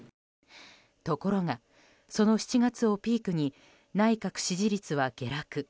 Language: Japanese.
ところが、その７月をピークに内閣支持率は下落。